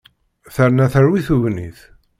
Terna terwi tegnit.